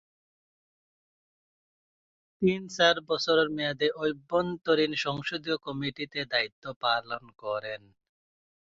তিনি চার বছরের মেয়াদে অভ্যন্তরীণ সংসদীয় কমিটিতে দায়িত্ব পালন করেন।